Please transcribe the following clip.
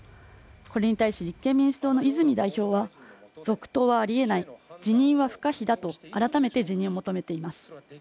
これに対し立憲民主党の泉代表は続投はありえない辞任は不可避だと改めて辞任を求めています